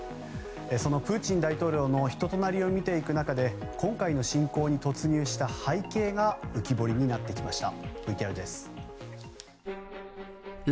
そのプーチン大統領の人となりを見ていく中で今回の侵攻に突入した背景が浮き彫りになってきました。